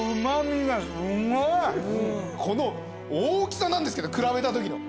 この大きさなんですけど比べたときの。